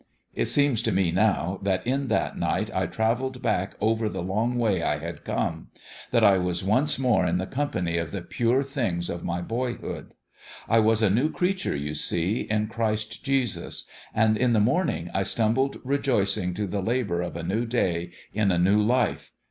...' It seems to me now that in that night I travelled back over the long way I had come that I was once more in the company of the pure things of my boyhood. I was a new creature, you see, in Christ Jesus. ... And in the morning I stumbled rejoicing to the labour of a new day in a new life.